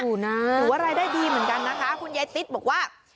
ก็พออยู่น่ะหรือว่ารายได้ดีเหมือนกันนะคะคุณยายติ๊ดบอกว่า